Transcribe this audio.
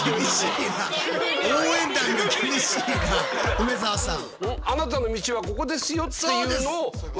梅沢さん。